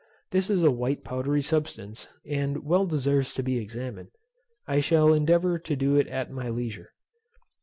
This is a white powdery substance, and well deserves to be examined. I shall endeavour to do it at my leisure.